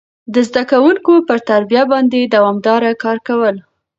د زده کوونکو پر تربيه باندي دوامداره کار کول،